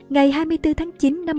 ngày hai mươi bốn tháng chín